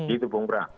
itu bung bra